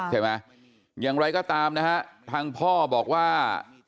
อย่างไรก็ตามนะฮะทางพ่อบอกว่า